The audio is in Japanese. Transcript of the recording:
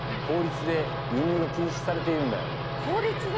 法律で！？